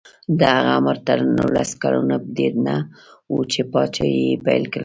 د هغه عمر تر نولس کلونو ډېر نه و چې پاچاهي یې پیل کړه.